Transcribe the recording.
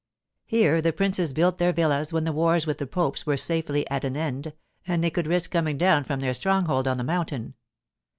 Here the princes built their villas when the wars with the popes were safely at an end and they could risk coming down from their stronghold on the mountain.